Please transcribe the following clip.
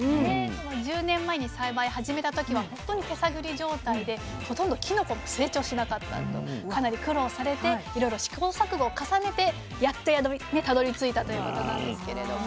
１０年前に栽培始めた時は本当に手探り状態でほとんどきのこも成長しなかったとかなり苦労されていろいろ試行錯誤を重ねてやっとたどりついたということなんですけれど。